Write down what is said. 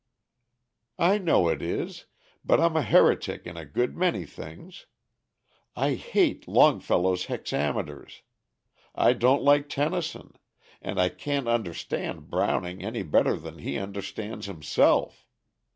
"I know it is, but I'm a heretic in a good many things. I hate Longfellow's hexameters; I don't like Tennyson; and I can't understand Browning any better than he understands himself.